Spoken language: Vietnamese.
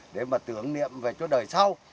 để mà tưởng niệm về cho đời sau